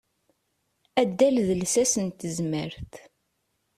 Addal d lsas n tezmert.